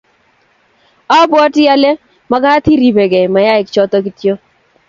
abwoti alw mekat iribkei miaing, choto kityo